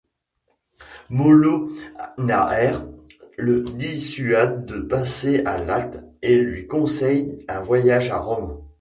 Molenaer le dissuade de passer à l'acte et lui conseille un voyage à Rome.